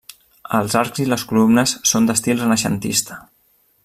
Els arcs i les columnes són d'estil renaixentista.